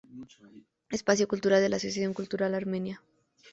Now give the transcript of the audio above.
Espacio Cultural de la Asociación Cultural Armenia.